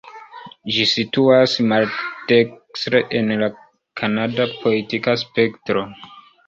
Ĝi situas maldekstre en la kanada politika spektro.